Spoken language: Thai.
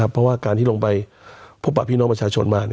เพราะรุงไปพบประพี่น้องประชาชนมา